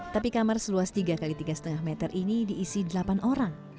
tapi kamar seluas tiga x tiga lima meter ini diisi delapan orang